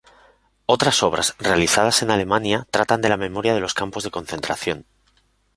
Otras obras, realizadas en Alemania, tratan de la memoria de los campos de concentración.